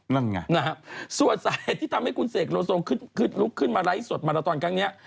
นั่นไงนะฮะส่วนสาเหตุที่ทำให้คุณเสกโลโซขึ้นลุกขึ้นมาไลฟ์สดมาละตอนครั้งนี้